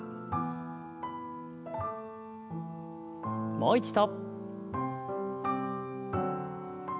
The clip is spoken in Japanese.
もう一度。